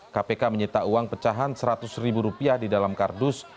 kpk menyita uang pecahan rp seratus di dalam kardus